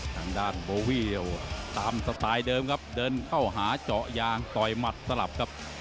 ทางด้านโบวี่ยตามสไตล์เดิมครับเดินเข้าหาเจาะยางต่อยหมัดสลับครับ